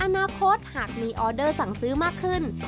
อนาคตหากมีออเดอร์สั่งซื้อมากขึ้น